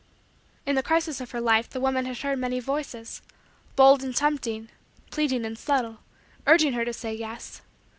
In the crisis of her life the woman had heard many voices bold and tempting, pleading and subtle urging her to say: "Yes."